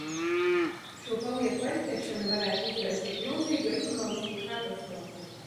Šo palieku aizķeršana varētu izraisīt milzīgu ekoloģisko katastrofu.